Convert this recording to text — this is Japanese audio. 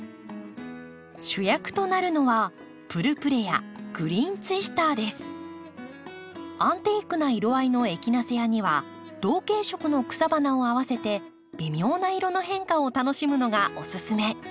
主役となるのはアンティークな色合いのエキナセアには同系色の草花を合わせて微妙な色の変化を楽しむのがオススメ。